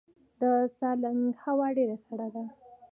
د سالنګ هوا ډیره سړه ده